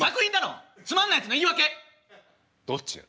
どっちよ。